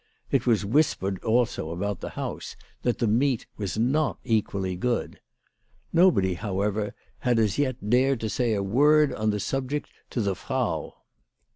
It was whispered also about the house that the meat was not equally good. Nobody, however, had as yet dared to say a word on that subject to the Frau.